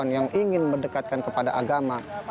yang ingin mendekatkan kepada agama